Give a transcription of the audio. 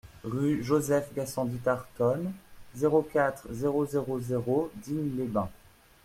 Rue Joseph Gassendy Tartonne, zéro quatre, zéro zéro zéro Digne-les-Bains